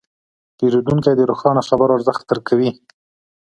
پیرودونکی د روښانه خبرو ارزښت درک کوي.